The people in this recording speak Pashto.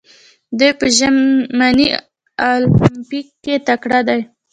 دوی په ژمني المپیک کې تکړه دي.